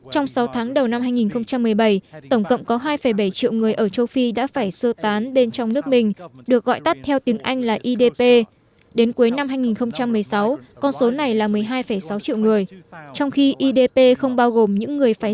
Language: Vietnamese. trong sáu tháng đầu năm hai nghìn một mươi bảy tổng cộng có hai bảy triệu người ở châu phi đã phải sơ tán bên trong nước mình được gọi tắt theo tiếng anh là idp đến cuối năm hai nghìn một mươi sáu con số này là một mươi hai sáu triệu người